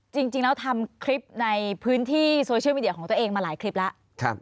จริงแล้วทำคลิปในพื้นที่โซเชียลมีเดียของตัวเองมาหลายคลิปแล้ว